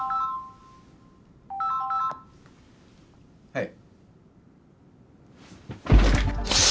はい。